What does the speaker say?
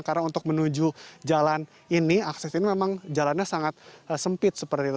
karena untuk menuju jalan ini akses ini memang jalannya sangat sempit seperti itu